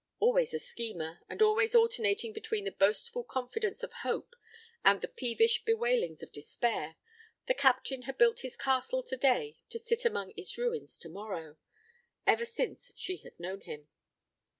Always a schemer, and always alternating between the boastful confidence of hope and the peevish bewailings of despair, the Captain had built his castle to day to sit among its ruins to morrow, ever since she had known him.